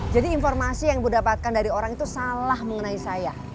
jadi informasi yang ibu dapatkan dari orang itu salah mengenai saya